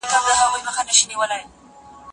نوي تجربې د ژوند نوې پاڼې دي.